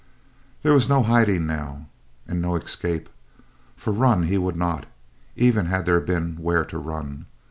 There was no hiding now, and no escape; for run he would not, even had there been where to run.